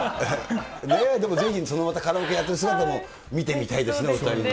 でもぜひそのカラオケやってる姿も見てみたいですね、お２人の。